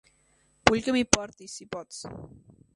Vull que m'hi portis, si pots.